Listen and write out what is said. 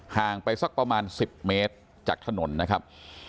ห่างไปสักประมาณ๑๐เมตรจากถนนนะครับ